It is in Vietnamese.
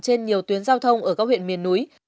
trên nhiều tuyến giao thông ở các huyện miền núi